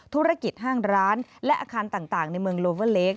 ธุรกิจห้างร้านและอาคารต่างในเมืองโลเวอร์เล็ก